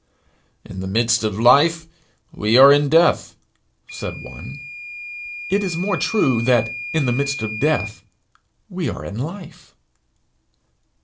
'In the midst of life we are in death,' said one; it is more true that in the midst of death we are in life.